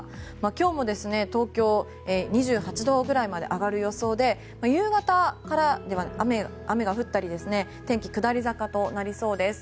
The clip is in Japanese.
今日も東京２８度ぐらいまで上がる予想で夕方から雨が降ったり天気が下り坂となりそうです。